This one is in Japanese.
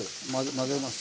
混ぜます。